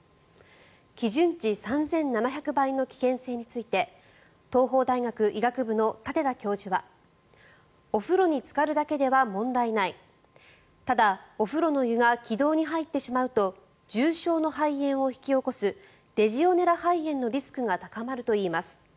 基準値３７００倍の危険性について東邦大学医学部の舘田教授はお風呂につかるだけでは問題ないただ、お風呂の湯が気道に入ってしまうと重症の肺炎を引き起こすレジオネラ肺炎のリスクが高まるといいます。